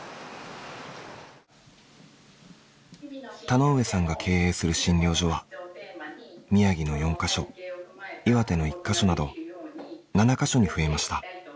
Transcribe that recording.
田上さんが経営する診療所は宮城の４カ所岩手の１カ所など７カ所に増えました。